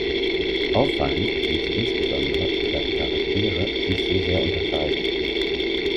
Auffallend sind sie insbesondere, da die Charaktere sich so sehr unterscheiden.